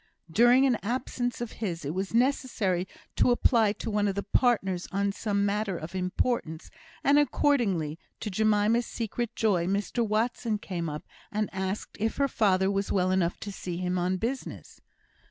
During an absence of his, it was necessary to apply to one of the partners on some matter of importance; and accordingly, to Jemima's secret joy, Mr Watson came up and asked if her father was well enough to see him on business?